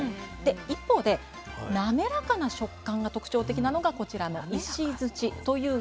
一方でなめらかな食感が特徴的なのがこちらの「石」という品種です。